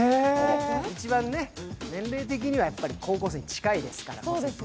年齢的には一番高校生に近いですから。